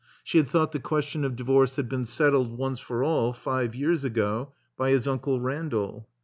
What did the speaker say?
She had thought the question of divorce had been settled once for aU, five years ago, by his Uncle Randall.